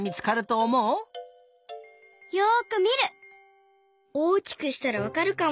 おおきくしたらわかるかも。